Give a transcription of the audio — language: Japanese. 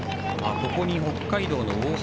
ここに北海道の大橋。